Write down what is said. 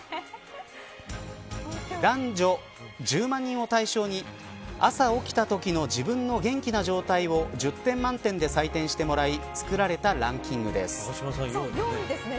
男女１０万人を対象に朝起きたときの自分の元気な状態を１０点満点で採点してもらい作られたランキングです。